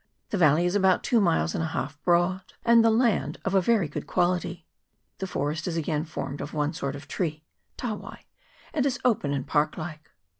The valley is about two miles and a half broad, and the land of a very good quality. The forest is again formed of one sort of tree, tawai, and is open and park like.